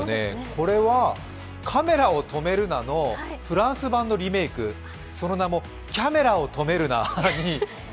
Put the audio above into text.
これは「カメラを止めるな！」のフランス版のリメーク、その名も、「キャメラを止めるな！」